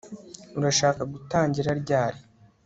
Urashaka gutangira ryari